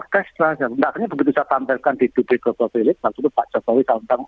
kemudian juga ketika kita bikin